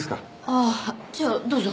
ああじゃあどうぞ。